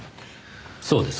そうですか。